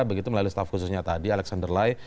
begitu melalui staff khususnya tadi alexander lie